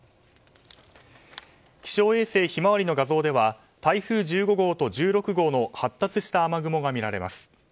気象衛星ひまわりの画像では台風１５号と１６号の発達した雨雲が見られます。